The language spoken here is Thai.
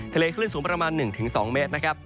คลื่นสูงประมาณ๑๒เมตรนะครับ